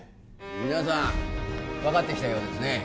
皆さん分かってきたようですね